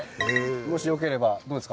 もしよければどうですか？